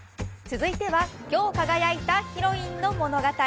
続いては今日輝いたヒロインの物語。